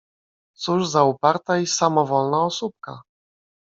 Cóż za uparta i samowolna osóbka!